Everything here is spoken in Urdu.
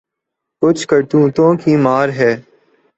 کچھ کرتوتوں کی مار ہے۔